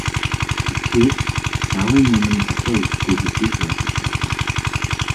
Тэгэхээр, давын өмнө захиа өгөхгүй гэдгийг ч ойлгож байлаа.